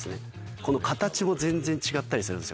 この形も全然違ったりするんですよ。